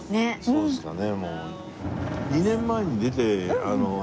そうですかね。